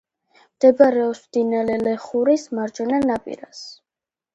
მდებარეობს მდინარე ლეხურის მარჯვენა ნაპირას.